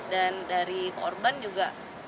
dan dari korban juga